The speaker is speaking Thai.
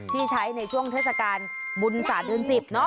ที่ใช้ในช่วงเทศกาลบุญสาธารณสิบ